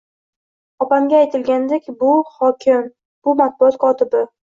Opamga aytilganidek, bu hokim, bu matbuot kotibi